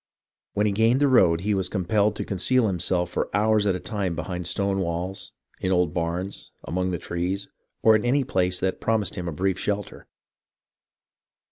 When he gained the road, he was compelled to conceal himself for hours at a time behind stone walls, in old barns, among the trees, or in any place that promised him a brief shelter.